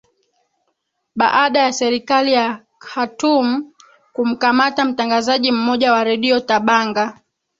baada ya serikali ya khartum kumkamata mtangazaji mmoja wa redio tabanga